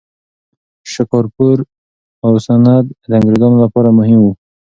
شکارپور او سند د انګریزانو لپاره مهم وو.